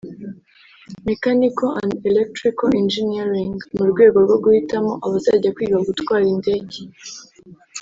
Mechanical and Electrical Engineering ) mu rwego rwo guhitamo abazajya kwiga gutwara indege